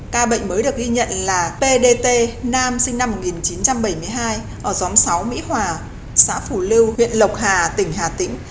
ca bệnh mới được ghi nhận là pdt nam sinh năm một nghìn chín trăm bảy mươi hai ở xóm sáu mỹ hòa xã phủ lưu huyện lộc hà tỉnh hà tĩnh